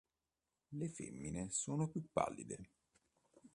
Le femmine sono più pallide.